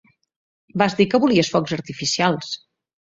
Vas dir que volies focs artificials.